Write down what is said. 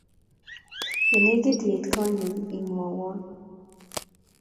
Ye nekit iit konyon imwoiwon